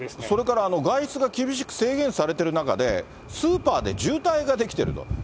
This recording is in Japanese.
それから外出が厳しく制限されている中で、スーパーで渋滞が出来てると。